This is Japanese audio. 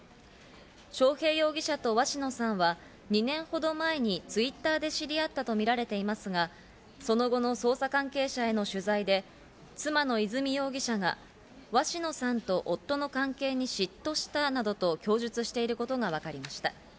章平容疑者と鷲野さんは２年ほど前にＴｗｉｔｔｅｒで知り合ったとみられていますが、その後の捜査関係者への取材で妻の和美容疑者が、鷲野さんと夫の関係に嫉妬したなどと供述していることがわかりました。